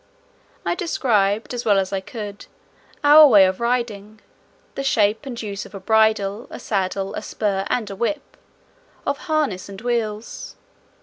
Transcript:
I described, as well as I could, our way of riding; the shape and use of a bridle, a saddle, a spur, and a whip; of harness and wheels.